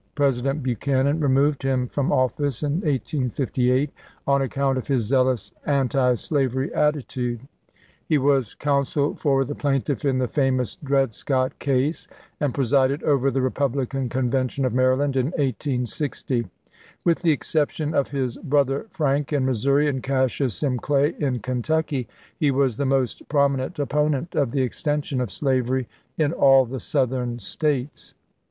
President Buchanan removed him from office in 1858 on ac count of his zealous antislavery attitude. He was counsel for the plaintiff in the famous Dred Scott case, and presided over the Republican Convention of Maryland in 1860. With the exception of his brother Frank in Missouri, and Cassius M. Clay in Kentucky, he was the most prominent opponent of the extension of slavery in all the Southern States.